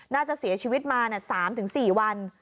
น่าจะเสียชีวิตมา๓๔วัน